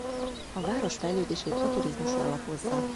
A város fejlődését a turizmusra alapozza.